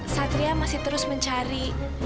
satria masih terus mencari